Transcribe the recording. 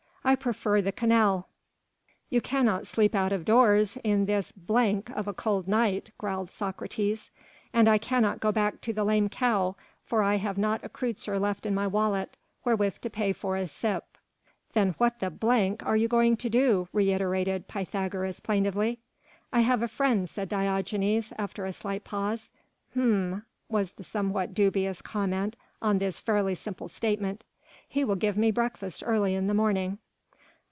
I prefer the Canal." "You cannot sleep out of doors in this h l of a cold night," growled Socrates. "And I cannot go back to the 'Lame Cow' for I have not a kreutzer left in my wallet wherewith to pay for a sip." "Then what the d l are you going to do?" reiterated Pythagoras plaintively. "I have a friend," said Diogenes after a slight pause. "Hm?" was the somewhat dubious comment on this fairly simple statement. "He will give me breakfast early in the morning."